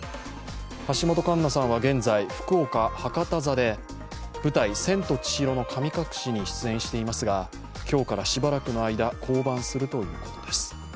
橋本環奈さんは現在、福岡・博多座で舞台「千と千尋の神隠し」に出演していますが今日からしばらくの間、降板するということです。